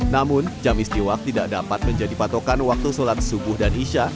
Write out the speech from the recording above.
namun jam istiwa tidak dapat menjadi patokan waktu sholat subuh dan isya